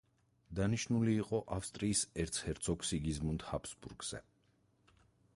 დანიშნული იყო ავსტრიის ერცჰერცოგ სიგიზმუნდ ჰაბსბურგზე.